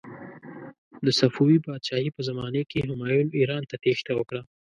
د صفوي پادشاهي په زمانې کې همایون ایران ته تیښته وکړه.